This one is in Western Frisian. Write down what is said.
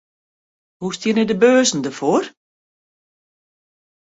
Hoe steane de beurzen derfoar?